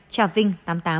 trà vinh tám mươi tám